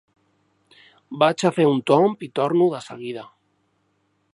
Vaig a fer un tomb i torno de seguida.